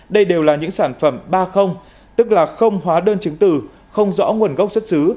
đây đều là những sản phẩm ba tức là không hóa đơn chứng từ không rõ nguồn gốc xuất xứ